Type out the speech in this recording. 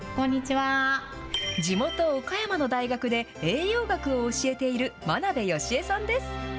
地元、岡山の大学で栄養学を教えている眞鍋芳江さんです。